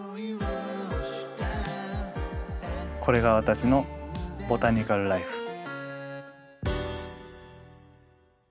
これが私のボタニカル・らいふ。